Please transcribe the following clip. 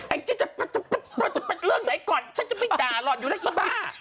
แอ้งจิจะเป็นเรื่องไหนก่อนฉันจะไปด่าหล่ออยู่นะอีบ้า